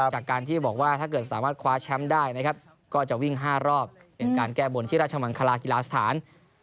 จากการที่บอกว่าถ้าเกิดสามารถคว้าแชมป์ได้นะครับก็จะวิ่ง๕รอบเป็นการแก้บนที่ราชมังคลากีฬาสถาน